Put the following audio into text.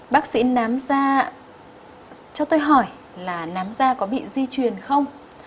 bác sĩ nám ra cho tôi hỏi là nám da có bị di truyền không